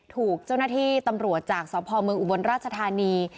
ถูกเจ้าหน้าที่ตำรวจจากสพเมืองอุบลราชธานี